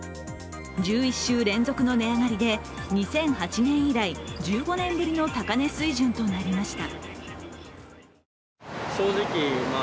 １１週連続の値上がりで２００８年以来、１５年ぶりの高値水準となりました。